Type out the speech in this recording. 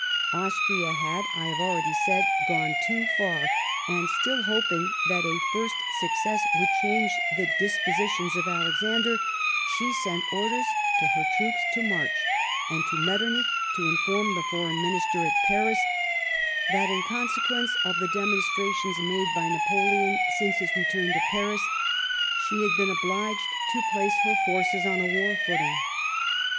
Austria had, I have already said, gone too far, and, still hoping that a first success would change the dispositions of Alexander, she sent orders to her troops to march, and to Metternich to inform the Foreign Minister at Paris that, in conse quence of the demonstrations made by Napoleon since his return to Paris, she had been obliged to place her forces on a war footing.